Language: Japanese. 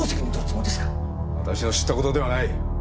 私の知った事ではない。